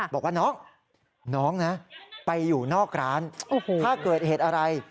บอกว่าน้องน้องนะไปอยู่นอกร้านถ้าเกิดเหตุอะไร